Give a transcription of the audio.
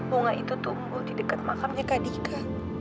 bunga itu tumbuh di dekat makamnya kak dika